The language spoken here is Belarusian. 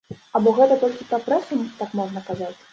Або гэта толькі пра прэсу так можна казаць?